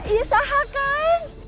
ini saha kan